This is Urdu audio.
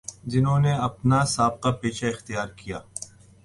جنہوں نے اپنا سا بقہ پیشہ اختیارکیا